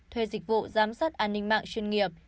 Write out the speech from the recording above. thuê dịch vụ giám sát an ninh mạng chuyên nghiệp